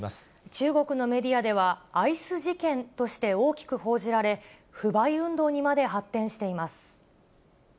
中国のメディアでは、アイス事件として大きく報じられ、不買運動にまで発展しています。